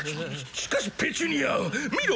しかしペチュニア見ろ